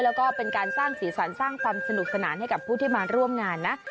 แล้วก็เป็นการสร้างสีสันสร้างความสนุกสนานให้กับผู้ที่มาร่วมงานนะ